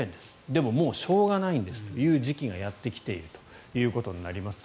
でも、もうしょうがないんですという時期がやってきているということになります。